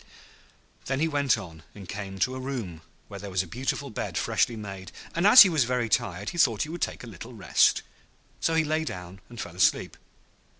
Then he went on, and came to a room where there was a beautiful bed freshly made, and as he was very tired he thought he would take a little rest; so he lay down and fell asleep.